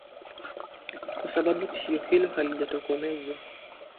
kwa sababu tishio hilo halijatokomezwa